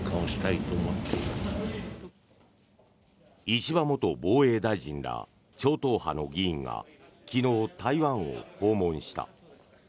石破元防衛大臣ら超党派の議員が昨日、台湾を訪問した。